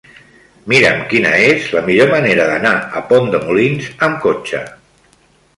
Mira'm quina és la millor manera d'anar a Pont de Molins amb cotxe.